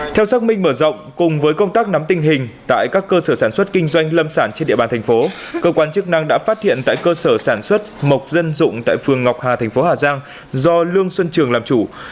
theo xác minh mở rộng cùng với công tác nắm tình hình tại các cơ sở sản xuất kinh doanh lâm sản trên địa bàn thành phố cơ quan chức năng đã phát hiện tại cơ sở sản xuất mộc dân dụng tại phường ngọc hà thành phố hà giang do lương xuân trường làm chủ